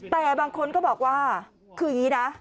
แต่บางคนก็บอกว่าคืออย่างนี้นะ